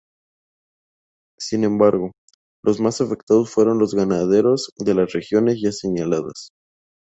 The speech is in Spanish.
Sin embargo, los más afectados fueron los ganaderos de las regiones ya señaladas.